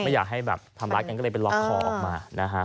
ไม่อยากให้ทำรักกันก็เลยไปล็อกคอออกมา